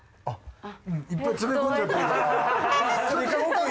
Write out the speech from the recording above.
あっ！